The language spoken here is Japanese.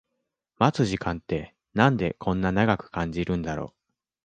待つ時間ってなんでこんな長く感じるんだろう